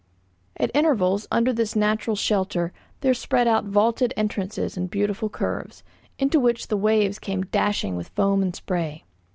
At intervals, under this natural shelter, there spread out vaulted entrances in beautiful curves, into which the waves came dashing with foam and spray.